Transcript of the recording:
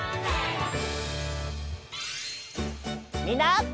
みんな！